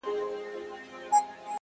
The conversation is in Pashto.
ډك د ميو جام مي د زړه ور مــات كړ ـ